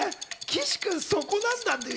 岸君、そこなんだって。